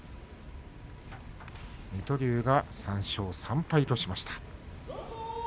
水戸龍が３勝３敗としました。